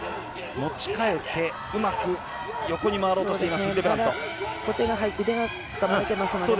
持ち替えてうまく横に回ろうとしています。